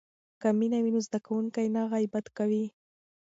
که مینه وي نو زده کوونکی نه غیبت کوي.